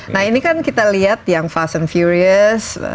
nah ini kan kita liat yang fast and furious